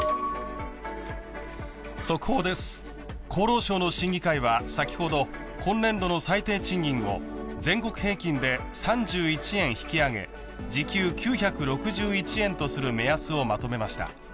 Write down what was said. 速報です、厚労省の審議会は先ほど今年度の最低賃金を全国平均で３１円、引き上げ時給９６１円とする目安をまとめました。